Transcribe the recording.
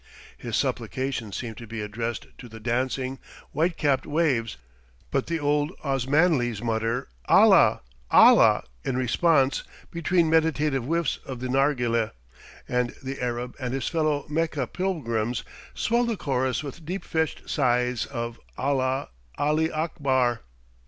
His supplications seem to be addressed to the dancing, white capped waves, but the old Osmanlis mutter "Allah, Allah," in response between meditative whiffs of the narghileh, and the Arab and his fellow Mecca pilgrims swell the chorus with deep fetched sighs of "Allah, Ali Akbar!"